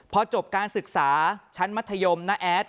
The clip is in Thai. พอจบการศึกษาชั้นมัธยมน้าแอด